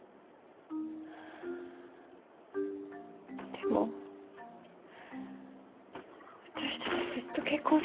でも私たちずっと結婚生活してるよね？